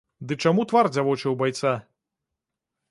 Ды чаму твар дзявочы ў байца?